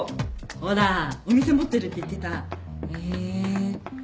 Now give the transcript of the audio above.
ほらお店持ってるって言ってたえっと。